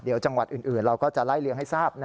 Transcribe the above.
เดี๋ยวจังหวัดอื่นเราก็จะไล่เลี้ยงให้ทราบ